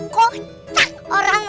kotak orang asli